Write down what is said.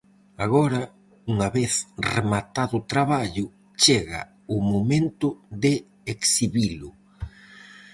Agora, unha vez rematado o traballo, chega o momento de exhibilo.